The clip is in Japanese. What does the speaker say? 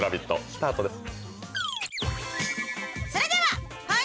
スタートです。